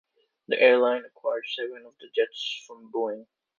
The airline acquired seven of the jets from Boeing.